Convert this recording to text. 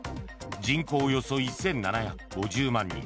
人口およそ１７５０万人